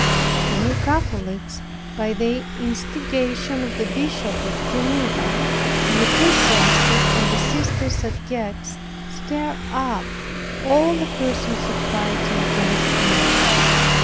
The New Catholics, by the instigation of the Bishop of Geneva, the ecclesiastic, and the sisters at Gex, stirred up all the persons of piety against me.